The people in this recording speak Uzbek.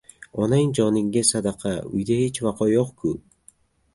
— Onang joningga sadaqa, uyda hech vaqo yo‘q-ku?